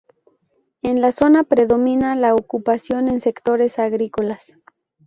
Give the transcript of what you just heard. En la zona predomina la ocupación en sectores agrícolas.